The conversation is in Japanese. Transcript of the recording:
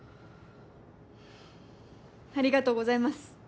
ありがとうございます。